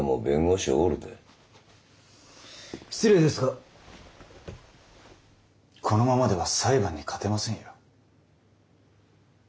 失礼ですがこのままでは裁判に勝てませんよ。